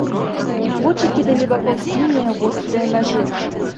Вочы кідалі вакол сінія вострыя нажы.